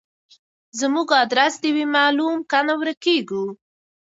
زموږ ادرس دي وي معلوم کنه ورکیږو